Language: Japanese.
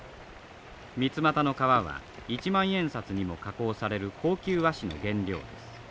ミツマタの皮は一万円札にも加工される高級和紙の原料です。